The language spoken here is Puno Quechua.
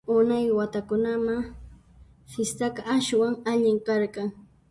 Unay watakunamá fistaqa aswan allin karqan!